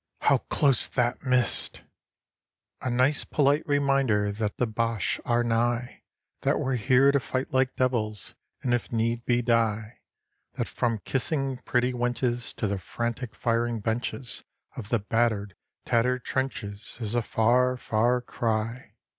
HOW CLOSE THAT MISSED!_ A nice polite reminder that the Boche are nigh; That we're here to fight like devils, and if need be die; That from kissing pretty wenches to the frantic firing benches Of the battered, tattered trenches is a far, far cry.